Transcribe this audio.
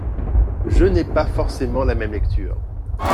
Je n’ai pas forcément la même lecture.